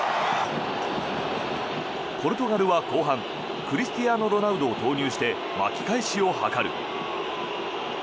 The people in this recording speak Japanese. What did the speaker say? ポルトガルは後半クリスティアーノ・ロナウドを投入して巻き返しを図る。